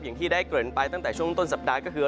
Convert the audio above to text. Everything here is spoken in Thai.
อย่างที่ได้เกริ่นไปตั้งแต่ช่วงต้นสัปดาห์ก็คือ